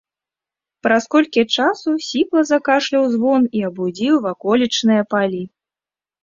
Праз колькі часу сіпла закашляў звон і абудзіў ваколічныя палі.